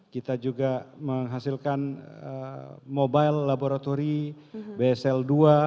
kita juga menghasilkan mobile laboratory bsl dua